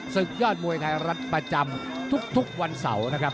ศึกยอดมวยไทยรัฐประจำทุกวันเสาร์นะครับ